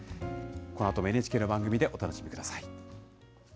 このあともＮＨＫの番組でお楽しみください。